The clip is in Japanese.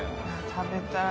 食べたい。